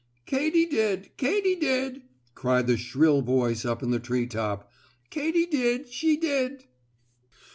"Katy did! Katy did!" cried the shrill voice up in the tree top. "Katy did she did!"